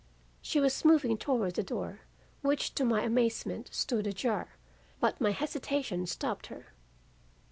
"She was moving toward the door, which to my amazement stood ajar, but my hesitation stopped her.